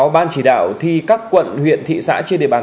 ban chỉ đạo thi các quận huyện thị xã trên địa bàn